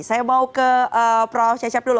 saya mau ke prof cecep dulu